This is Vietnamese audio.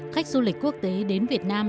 khách du lịch quốc tế đến việt nam